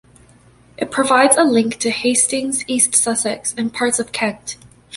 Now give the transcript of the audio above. It provides a link to Hastings, East Sussex and parts of Kent.